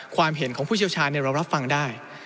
ความเห็นของผู้เชี่ยวชาญเรารับฟังได้